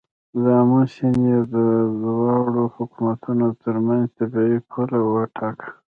د آمو سیند یې د دواړو حکومتونو تر منځ طبیعي پوله وټاکه.